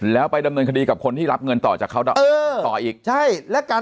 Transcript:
แล้วไปดำเนินคดีกับคนที่รับเงินต่อจากเขาต่ออีกใช่และการ